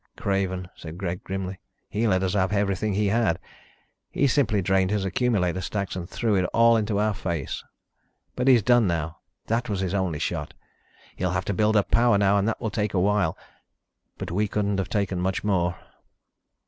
"Craven," said Greg grimly. "He let us have everything he had. He simply drained his accumulator stacks and threw it all into our face. But he's done now. That was his only shot. He'll have to build up power now and that will take a while. But we couldn't have taken much more."